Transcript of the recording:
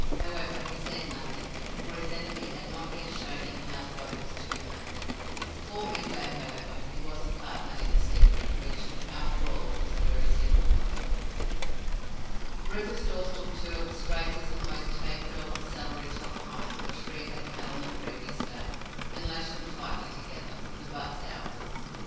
However, he said nothing, for his enemy had not yet shown him how the boat was to be made. Before midday, however, he was a partner in the secret, which, after all, was a very simple one. Rufus Dawes took two of the straightest and most tapered of the celery top pines which Frere had cut on the previous day, and lashed them tightly together, with the butts outwards.